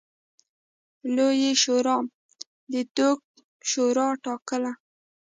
لویې شورا د دوک شورا ټاکله.